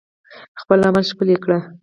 خپل عمل ښکلی کړئ